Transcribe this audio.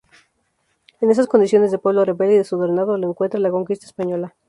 En esas condiciones de pueblo rebelde y desordenado lo encuentra la conquista española.